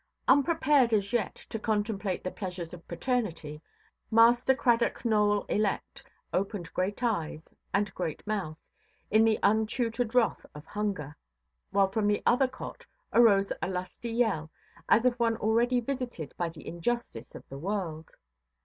Unprepared as yet to contemplate the pleasures of paternity, Master Cradock Nowell elect opened great eyes and great mouth, in the untutored wrath of hunger; while from the other cot arose a lusty yell, as of one already visited by the injustice of the world.